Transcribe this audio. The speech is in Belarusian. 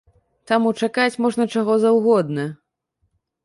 Таму чакаць можна чаго заўгодна!